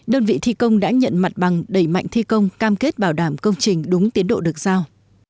đơn vị thi công đã nhận mặt bằng đẩy mạnh thi công cam kết bảo đảm công trình đúng tiến độ được giao